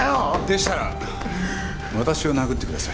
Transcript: でしたら私を殴ってください。